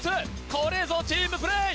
これぞチームプレー！